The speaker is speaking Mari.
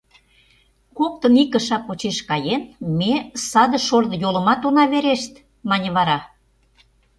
Коктын ик кыша почеш каен, ме саде шордо йолымат она верешт, — мане вара.